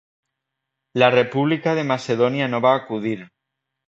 La República de Macedònia no va acudir.